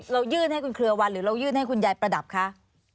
ยื่นให้คุณเครือวันหรือเรายื่นให้คุณยายประดับคะ